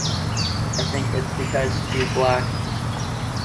I think it's because she's black.